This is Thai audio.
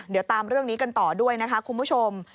เดี๋ยวตามเรื่องนี้กันต่อด้วยนะคะคุณผู้ชม